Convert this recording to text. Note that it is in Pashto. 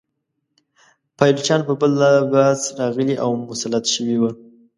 پایلوچان په بل لباس راغلي او مسلط شوي وه.